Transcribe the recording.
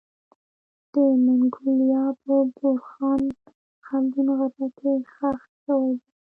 د منګولیا په بورخان خلدون غره کي خښ سوی دی